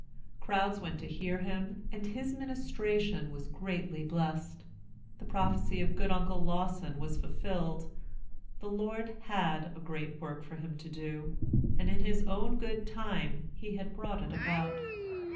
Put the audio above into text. Crowds went to hear him, and his ministration was greatly blessed. The prophecy of good Uncle Lawson was fulfilled. The Lord had a great work for him to do; and in His own good time he had brought it about.